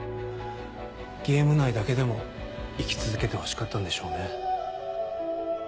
ゲーム内だけでも生き続けてほしかったんでしょうね。